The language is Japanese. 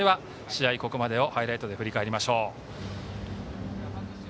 試合、ここまでをハイライトで振り返りましょう。